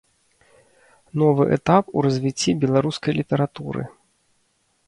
Новы этап у развіцці беларускай літаратуры.